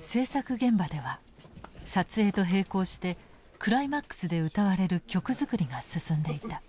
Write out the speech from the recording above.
制作現場では撮影と並行してクライマックスで歌われる曲作りが進んでいた。